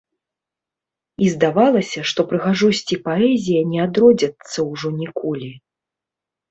І здавалася, што прыгажосць і паэзія не адродзяцца ўжо ніколі.